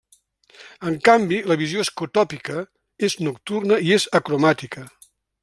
En canvi, la Visió escotòpica és nocturna, i és acromàtica.